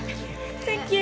センキュー